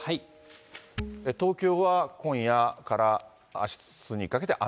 東京は今夜からあすにかけて雨。